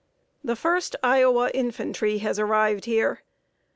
The First Iowa Infantry has arrived here.